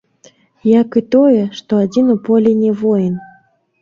Як і тое, што адзін у полі не воін.